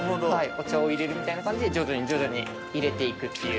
お茶を入れるみたいな感じで徐々に徐々に入れていくっていう。